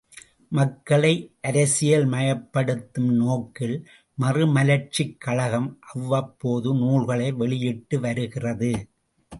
மக்களை அரசியல்மயப்படுத்தும் நோக்கில் மறுமலர்ச்சிக் கழகம் அவ்வப்போது நூல்களை வெளியிட்டுவருகிறது.